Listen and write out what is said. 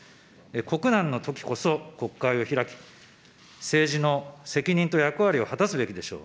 国難のときこそ国会を開き、政治の責任と役割を果たすべきでしょう。